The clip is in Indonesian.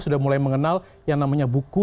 sudah mulai mengenal yang namanya buku